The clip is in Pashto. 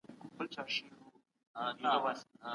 د ډيپلوماټيکو اړيکو له لارې سوداګريز تړونونه وسول.